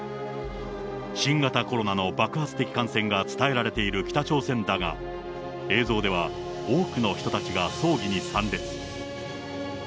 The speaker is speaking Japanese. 新型コロナの爆発的感染が伝えられている北朝鮮だが、映像では多くの人たちが葬儀に参列。